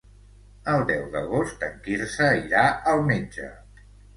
El deu d'agost en Quirze irà al metge.